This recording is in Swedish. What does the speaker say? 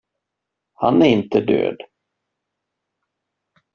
Han är inte död.